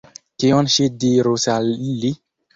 Kion ŝi dirus al ili?